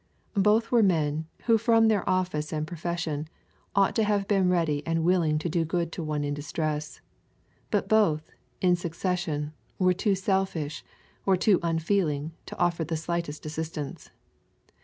/Both were men, who from their office and profes sion, ought to have been ready and willing to do good to one in distress. But both, in succession, were too selfish, or too unfeeling to offer the slightest assistance.